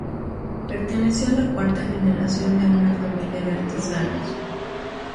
Perteneció a la cuarta generación de una familia de artesanos.